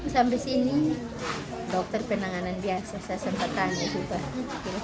sampai sini dokter penanganan biasa saya sempat tanya juga